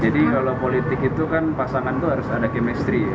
jadi kalau politik itu kan pasangan itu harus ada chemistry